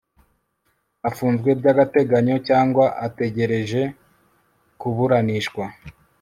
afunzwe by'agateganyo cyangwa ategereje kuburanishwa